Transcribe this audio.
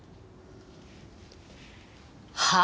はあ？